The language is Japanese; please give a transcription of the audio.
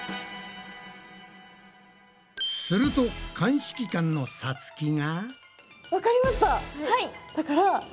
すると鑑識官のさつきが。